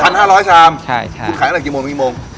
พันห้าร้อยชามซึ่งขายได้จากกี่โมงมีกี่โมง